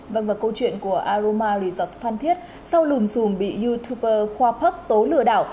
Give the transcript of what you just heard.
và câu chuyện của aroma resorts phan thiết sau lùm xùm bị youtuber khoa puck tố lừa đảo